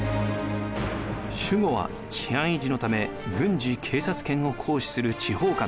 守護は治安維持のため軍事・警察権を行使する地方官です。